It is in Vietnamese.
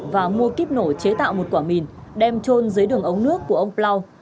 và mua kiếp nổ chế tạo một quả mìn đem trôn dưới đường ống nước của ông plau